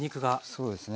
そうですね。